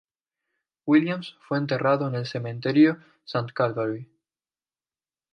Williams fue enterrado en el Cementerio Calvary de St.